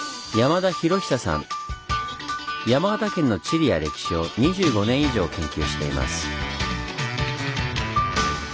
山形県の地理や歴史を２５年以上研究しています。